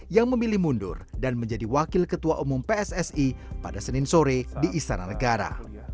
yang memilih mundur dan menjadi wakil ketua umum pssi pada senin sore di istana negara